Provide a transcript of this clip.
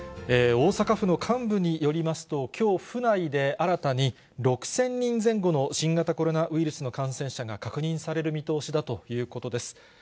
大阪府の幹部によりますと、きょう、府内で新たに６０００人前後の新型コロナウイルスの感染者が確認される見通しだということです。